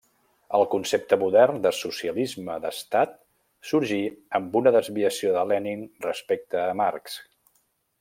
El concepte modern de socialisme d'estat sorgí amb una desviació de Lenin respecte a Marx.